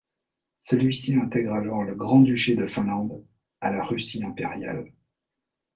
Celui-ci intègre alors le Grand-duché de Finlande à la Russie impériale.